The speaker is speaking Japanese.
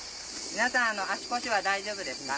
皆さん足腰は大丈夫ですか？